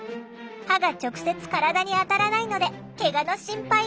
刃が直接体に当たらないのでケガの心配なし！